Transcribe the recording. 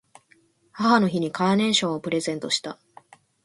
母の日にカーネーションをプレゼントした。